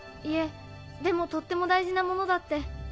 いえでもとっても大事なものだって。